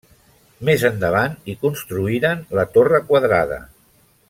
Més endavant hi construïren la torre quadrada.